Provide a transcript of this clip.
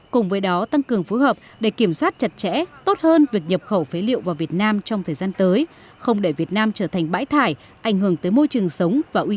cùng với đó tăng cường phối hợp để kiểm soát chặt chẽ tốt hơn việc nhập khẩu phế liệu vào việt nam trong thời gian tới